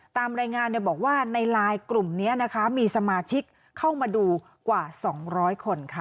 ตามรายงานเนี่ยบอกว่าในลายกลุ่มเนี้ยนะคะมีสมาชิกเข้ามาดูกว่าสองร้อยคนค่ะ